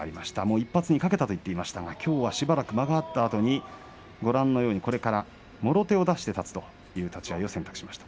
１発にかけたと言っていましたがきょうしばらく間があったあとにもろ手を出して立つという立ち合いを選択しました。